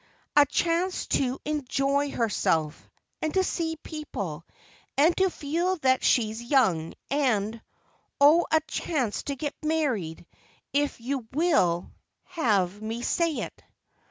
"A chance to enjoy herself, and to see people, and to feel that she's young, and—oh, a chance to get married, if you will have me say it."